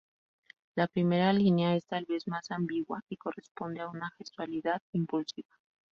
La primera línea es tal vez más ambigua, y corresponde a una gestualidad, impulsiva.